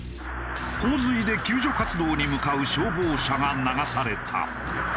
洪水で救助活動に向かう消防車が流された。